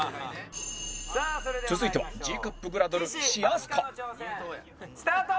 続いては Ｇ カップグラドル岸明日香スタート！